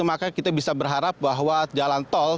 maka kita bisa berharap bahwa jalan tol